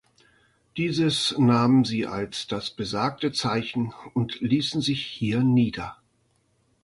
Dieses nahmen sie als das besagte Zeichen und ließen sich hier nieder.